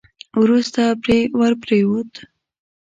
وروسته پرې ور پرېووت.